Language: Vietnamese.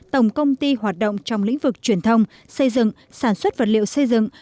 tổng công ty hoạt động trong lĩnh vực truyền thông xây dựng sản xuất vật liệu xây dựng